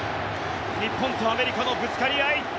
日本とアメリカのぶつかり合い。